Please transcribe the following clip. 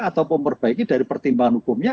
atau memperbaiki dari pertimbangan hukumnya